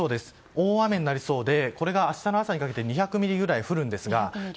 大雨になりそうでこれが明日の朝にかけて２００ミリくらい降るんですが。